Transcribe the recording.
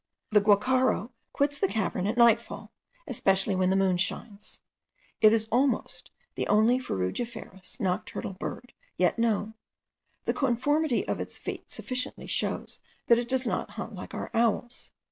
The guacharo quits the cavern at nightfall, especially when the moon shines. It is almost the only frugiferous nocturnal bird yet known; the conformation of its feet sufficiently shows that it does not hunt like our owls.